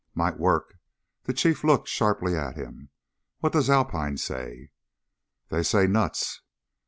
"Might work." The Chief looked sharply at him. "What does Alpine say?" "They say nuts."